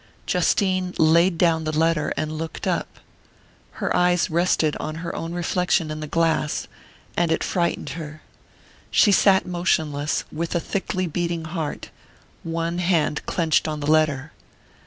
Justine laid down the letter and looked up. Her eyes rested on her own reflection in the glass, and it frightened her. She sat motionless, with a thickly beating heart, one hand clenched on the letter.